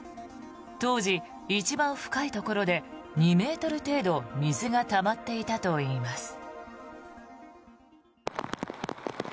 当時、一番深いところで２ｍ程度水がたまっていたといいます。